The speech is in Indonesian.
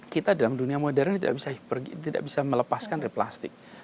kita dalam dunia modern tidak bisa melepaskan dari plastik